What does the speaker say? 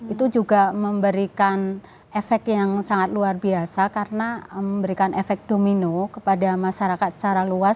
itu juga memberikan efek yang sangat luar biasa karena memberikan efek domino kepada masyarakat secara luas